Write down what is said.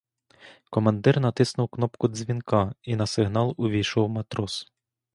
Командир натиснув кнопку дзвінка, і на сигнал увійшов матрос.